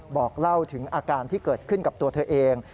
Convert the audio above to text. บอกเล่าถึงอาการที่เกิดขึ้นกับตัวเธอเอง